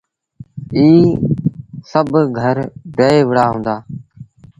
ائيٚݩ سڀ گھر ڊهي وُهرآ هُݩدآ۔